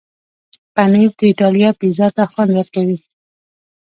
پنېر د ایټالیا پیزا ته خوند ورکوي.